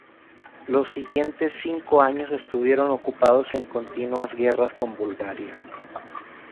Los siguientes cinco años estuvieron ocupados en continuas guerras con Bulgaria.